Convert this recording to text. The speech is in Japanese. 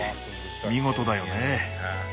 見事だよね。